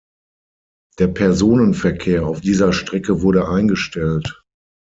Der Personenverkehr auf dieser Strecke wurde eingestellt.